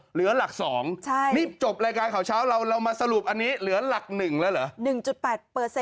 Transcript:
เหลือหลัก๒นี่จบรายการข่าวเช้าเราเรามาสรุปอันนี้เหลือหลัก๑แล้วเหรอ